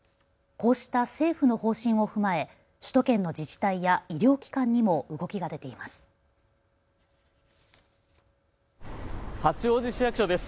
こうした政府の方針を踏まえ首都圏の自治体や医療機関にも動きが出ています。